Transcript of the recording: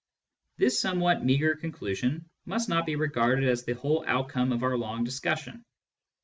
This somewhat meagre conclusion must not be regarded as the whole outcome of our long discussion.